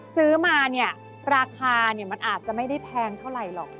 ซื้อมาเนี่ยราคามันอาจจะไม่ได้แพงเท่าไหร่หรอก